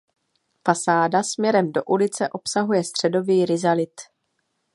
Fasáda směrem do ulice obsahuje středový rizalit.